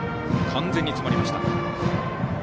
完全に詰まりました。